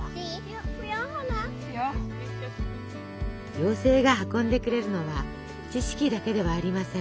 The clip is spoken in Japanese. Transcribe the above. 妖精が運んでくれるのは知識だけではありません。